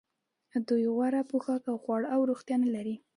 دوی غوره پوښاک او خواړه او روغتیا نلري